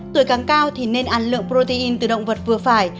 tuổi càng cao thì nên ăn lượng protein từ động vật vừa phải